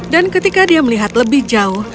dan ketika dia melihat lebih jauh